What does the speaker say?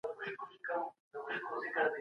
که تاسي په پښتو کي مهارت ولرئ ښه ليکوال به سئ.